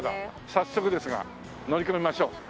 早速ですが乗り込みましょう。